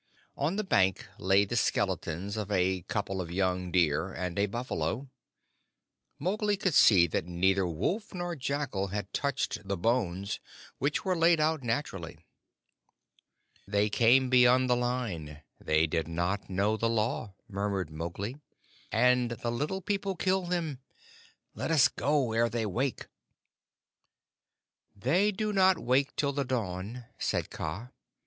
On the bank lay the skeletons of a couple of young deer and a buffalo. Mowgli could see that neither wolf nor jackal had touched the bones, which were laid out naturally. "They came beyond the line: they did not know the Law," murmured Mowgli, "and the Little People killed them. Let us go ere they wake." "They do not wake till the dawn," said Kaa.